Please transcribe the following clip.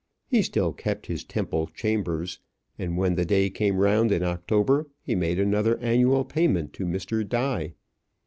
He still kept his Temple chambers, and when the day came round in October, he made another annual payment to Mr. Die.